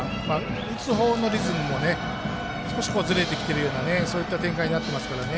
打つ方のリズムも少しずれてきているようなそういった展開になっていますからね。